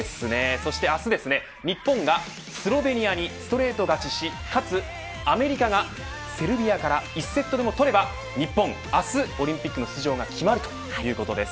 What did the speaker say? そして明日、日本がスロベニアにストレート勝ちしかつ、アメリカがセルビアから１セット目を取れば日本、明日オリンピックの出場が決まるということです。